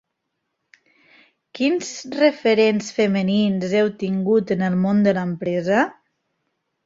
Quins referents femenins heu tingut en el món de l’empresa?